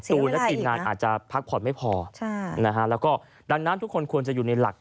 ตูนและทีมงานอาจจะพักผ่อนไม่พอแล้วก็ดังนั้นทุกคนควรจะอยู่ในหลัก